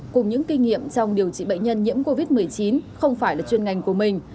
cùng những kinh nghiệm trong điều trị bệnh nhân nhiễm covid một mươi chín không phải là chuyên ngành của mình